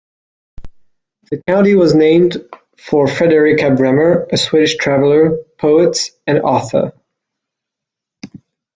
The county was named for Fredrika Bremer, a Swedish traveler, poet, and author.